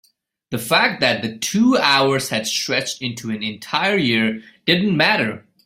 the fact that the two hours had stretched into an entire year didn't matter.